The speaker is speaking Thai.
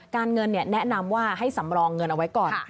การเงินแนะนำว่าให้สำรองเงินเอาไว้ก่อน